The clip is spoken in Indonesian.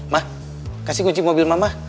mah kasih kunci mobil mama